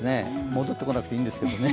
戻ってこなくていいんですけどね。